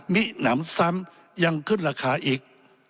หนำซ้ำยังขึ้นราคาอีก